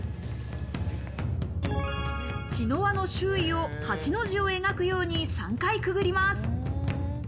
茅の輪の周囲を８の字を描くように３回くぐります。